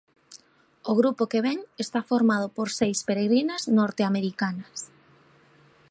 O grupo que ven está formado por seis peregrinas norteamericanas.